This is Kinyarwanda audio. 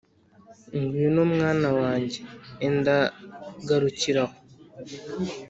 ngwino mwana wanjye, enda garukira aho,